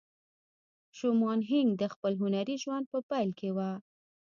شومان هینک د خپل هنري ژوند په پیل کې وه